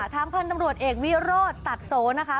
พันธุ์ตำรวจเอกวิโรธตัดโสนะคะ